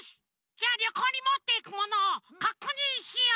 じゃありょこうにもっていくものをかくにんしよう！